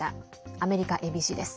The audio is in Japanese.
アメリカＡＢＣです。